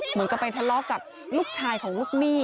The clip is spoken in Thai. เหมือนกับไปทะเลาะกับลูกชายของลูกหนี้